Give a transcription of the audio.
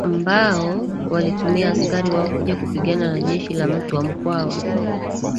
Ambao walituma askari wao kuja kupigana na jeshi la mtwa mkwawa